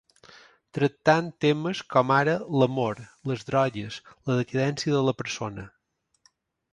Tractant temes com ara l'amor, les drogues, la decadència de la persona.